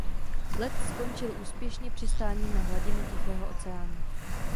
Let skončil úspěšně přistáním na hladinu Tichého oceánu.